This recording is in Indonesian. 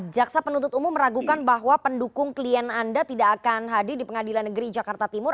jaksa penuntut umum meragukan bahwa pendukung klien anda tidak akan hadir di pengadilan negeri jakarta timur